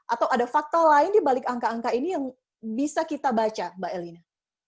atau ada fakta lain dibalik angka angka ini yang bisa kita baca mbak elina